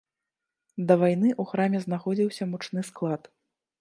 Да вайны ў храме знаходзіўся мучны склад.